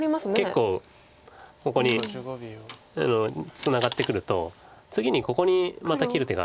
結構ここにツナがってくると次にここにまた切る手があるので。